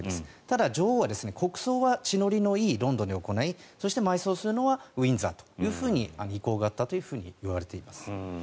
ただ、女王は国葬は地の利のいいロンドンで行いそして埋葬するのはウィンザーというふうに意向があったといわれています。